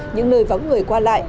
những nơi vắng người qua lại